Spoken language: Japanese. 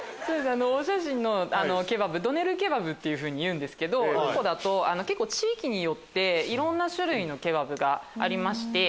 お写真のケバブドネルケバブっていうんですけどトルコだと地域によっていろんな種類のケバブがありまして。